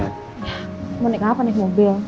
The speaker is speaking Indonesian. ya mau naik apa nih mobil